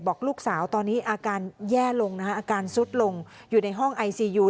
บอกลูกสาวตอนนี้อาการแย่ลงนะคะอาการซุดลงอยู่ในห้องไอซียู